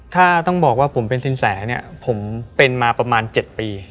ถ้าต้องบอกว่าผมเป็นสินแสเนี่ยผมเป็นมาประมาณ๗ปี